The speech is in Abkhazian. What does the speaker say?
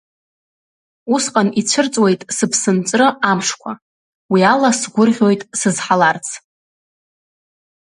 Усҟан ицәырҵуеит сыԥсынҵры амшқәа, уи ала сгәырӷьоит сызҳаларц.